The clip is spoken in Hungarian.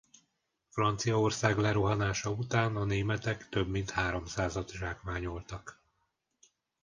Franciaország lerohanása után a németek több mint háromszázat zsákmányoltak.